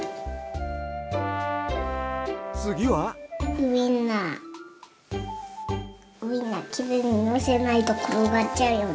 ウインナーきれいにのせないところがっちゃうよね？